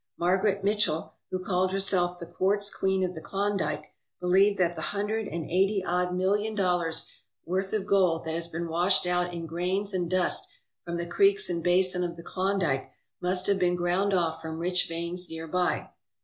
Margaret Mitchell, who called herself the Quartz Queen of the Klondike, believed that the hundred and eighty odd 306 WOMEN ON AMERICA'S LAST FRONTIER million dollars' worth of gold that has been washed out in grains and dust from the creeks and basin of the Klondike must have been ground off from rich veins near by.